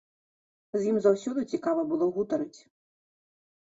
З ім заўсёды цікава было гутарыць.